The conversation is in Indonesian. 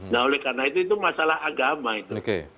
nah oleh karena itu masalah agama itu